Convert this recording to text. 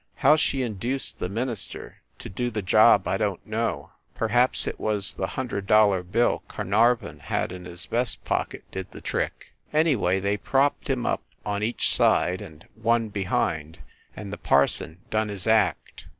How she induced the minister to do the job I don t know. Perhaps it was the hundred dollar bill Car narvon had in his vest pocket did the trick. Anyway, they propped him up on each side and one behind ; and the parson done his act.